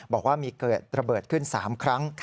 บอกว่ามีเกิดระเบิดขึ้น๓ครั้ง